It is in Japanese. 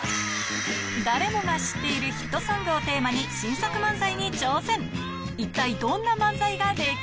誰もが知っているヒットソングをテーマに、新作漫才に挑戦。